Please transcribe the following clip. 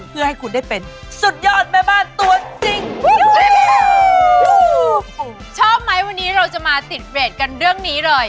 เพื่อให้คุณได้เป็นสุดยอดแม่บ้านตัวจริง